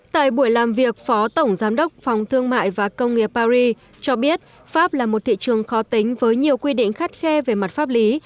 tại buổi làm việc phó tổng giám đốc phòng thương mại và công nghiệp paris cho biết pháp là một thị trường khó tính với nhiều quy định khắt khe về mặt pháp lý